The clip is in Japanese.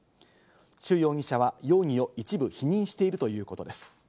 シュ容疑者は容疑を一部否認しているということです。